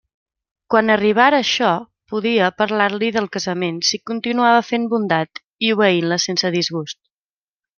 Quan arribara això, podia parlar-li de casament si continuava fent bondat i obeint-la sense disgusts.